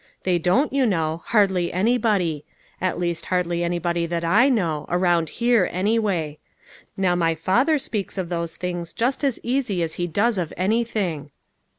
They don't, you know ; hardly anybody. At least hardly anybody that I know; around here, anyway. Now my father speaks of those things just as easy as he does of anything."